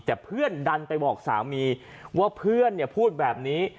แต่เพื่อนดันไปบอกสามีว่าเพื่อนพูดแบบนี้